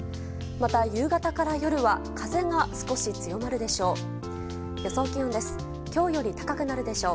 また、夕方から夜は風が少し強まるでしょう。